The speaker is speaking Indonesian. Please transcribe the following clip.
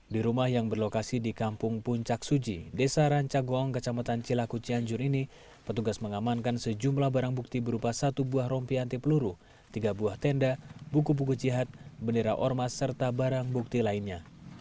di rumah yang berlokasi di kampung puncak suji desa rancagong kecamatan cilaku cianjur ini petugas mengamankan sejumlah barang bukti berupa satu buah rompi anti peluru tiga buah tenda buku buku jihad bendera ormas serta barang bukti lainnya